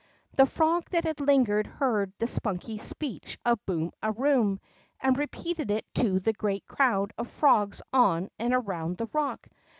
The frog that had lingered heard the spunky speech of Boom a Boom, and repeated it to the great crowd of frogs on and around the rock.